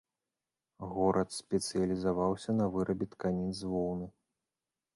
Горад спецыялізаваўся на вырабе тканін з воўны.